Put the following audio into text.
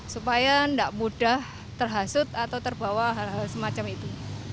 supaya tidak mudah terhasut atau terbawa hal hal semacam itu